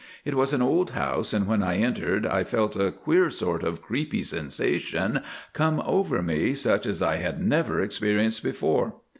It was an old house, and when I entered I felt a queer sort of creepy sensation come over me such as I had never experienced before.